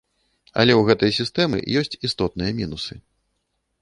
Але ў гэтай сістэмы ёсць істотныя мінусы.